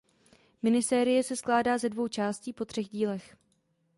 Minisérie se skládá ze dvou částí po třech dílech.